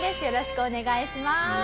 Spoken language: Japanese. よろしくお願いします。